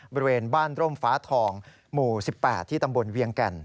บริเวณบ้านร่มฟ้าทองหมู่๑๘ที่ตำบลเวียงแก่น